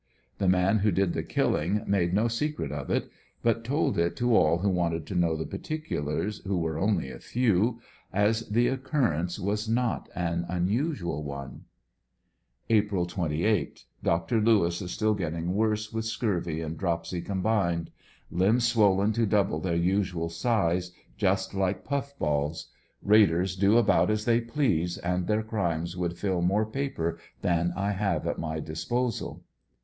The man who did the killing made no secret of it, but told it to all who wanted to know the particulars, who were only a few, as the occurrence was not an unusual one. April 28. — Dr. Lewis is still getting worse with scurvy and drop sy combined. Limbs swollen to double their usual size — just like puff balls. Raiders do about as they please, and their crimes would fill more paper than I have at my disposal.